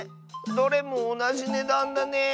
どれもおなじねだんだね。